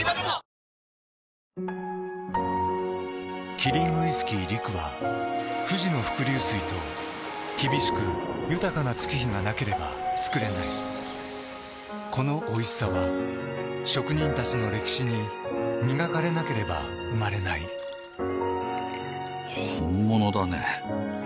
キリンウイスキー「陸」は富士の伏流水と厳しく豊かな月日がなければつくれないこのおいしさは職人たちの歴史に磨かれなければ生まれない本物だね。